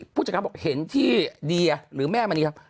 พูดจากนั้นบอกว่าเห็นที่เดียหรือแม่มันนี่ครับ